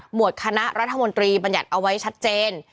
วดคณะรัฐมนตรีบรรยัติเอาไว้ชัดเจน